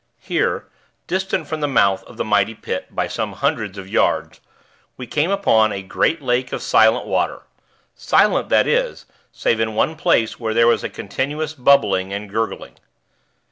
Here, distant from the mouth of the mighty pit by some hundreds of yards, we came upon a great lake of silent water silent, that is, save in one place where there was a continuous bubbling and gurgling.